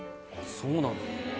そうなんだ。